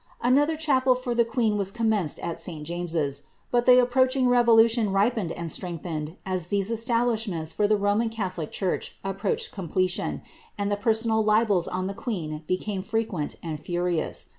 ^'' Another chapel for the queen was commenced at St. Jameses ; but the approaching revolution ripened and strengthened as these establishments tor tlie Roman catholic church approached completion, and the personal libels on the queen became frequent and furious.